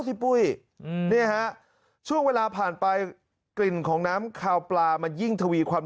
ปุ้ยเนี่ยฮะช่วงเวลาผ่านไปกลิ่นของน้ำคาวปลามันยิ่งทวีความ